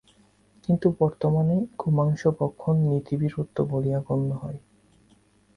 কিন্তু বর্তমানে গোমাংস-ভক্ষণ নীতিবিরুদ্ধ বলিয়া গণ্য হয়।